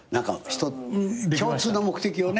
共通の目的をね。